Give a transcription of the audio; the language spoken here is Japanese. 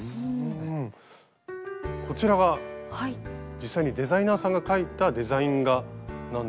こちらが実際にデザイナーさんが描いたデザイン画なんですが。